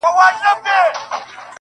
د ښکلو رب ته مي سجده په ميکده کي وکړه